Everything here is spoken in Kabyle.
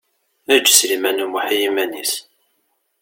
Eǧǧ Sliman U Muḥ i yiman-is.